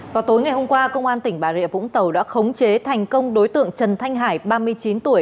vào tối ngày hôm qua công an tỉnh bà rịa vũng tàu đã khống chế thành công đối tượng trần thanh hải ba mươi chín tuổi